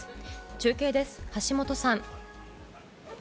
中継です、橋本さん。